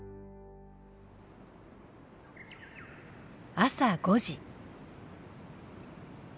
朝５時。